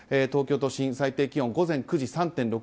東京都心、最低気温午前３．６度。